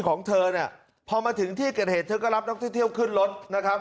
ของเธอเนี่ยพอมาถึงที่เกิดเหตุเธอก็รับนักท่องเที่ยวขึ้นรถนะครับ